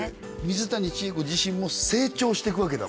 水谷千重子自身も成長していくわけだもんね